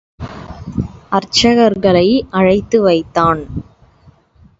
அர்ச்சகர்களை அழைத்து வைத்தான்.